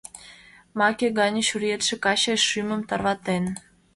Маке гане чуриетше каче шӱмым тарватен.